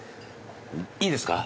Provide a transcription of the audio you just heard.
いいですか？